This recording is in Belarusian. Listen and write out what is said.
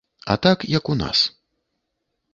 А так, як у нас.